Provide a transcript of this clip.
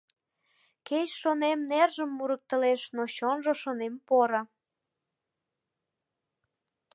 Кеч, шонем, нержым мурыктылеш, но чонжо, шонем, поро.